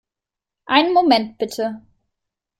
Einen Moment, bitte.